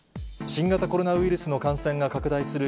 新型コロナウイルスの感染が拡大する